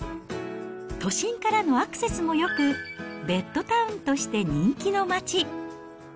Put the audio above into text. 都心からのアクセスもよく、ベッドタウンとして人気の街。